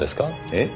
えっ？